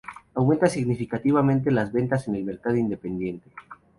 Aumentan significativamente las ventas en el mercado independiente.